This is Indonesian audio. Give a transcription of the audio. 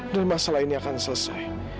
dan masalah ini akan selesai